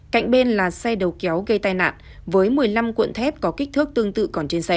cạnh bên là xe đầu kéo gây tai nạn với một mươi năm cuộn thép có kích thước tương tự còn trên xe